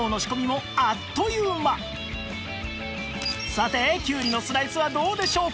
さてきゅうりのスライスはどうでしょうか？